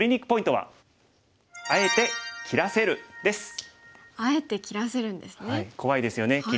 はい怖いですよね切り。